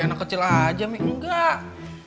enak kecil aja mie enggak